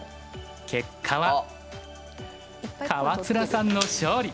結果は川面さんの勝利！